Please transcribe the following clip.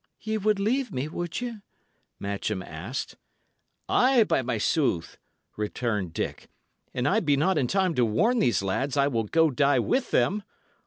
"Ye would leave me, would ye?" Matcham asked. "Ay, by my sooth!" returned Dick. "An I be not in time to warn these lads, I will go die with them.